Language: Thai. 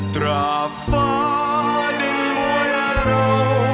ตราบฟ้าดินมวยละเรา